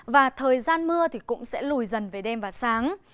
và thời gian mưa cũng sẽ lùi dần về đêm và sáng